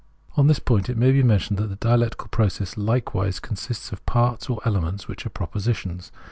On this point it may be mentioned that the dialectical process Ukewise consists of parts or elements which are propositions.